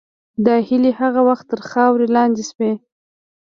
دا هیلې هغه وخت تر خاورې لاندې شوې.